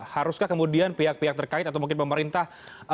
haruskah kemudian pihak pihak terkait atau mungkin pemerintah